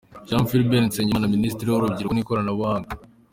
Jean Philbert Nsengimana, Minisitiri w'Urubyiruko n'Ikoranabuhanga.